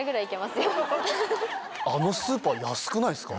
あのスーパー安くないすか？